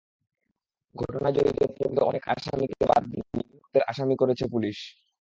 ঘটনায় জড়িত প্রকৃত অনেক আসামিকে বাদ দিয়ে নিরীহ লোকদের আসামি করেছে পুলিশ।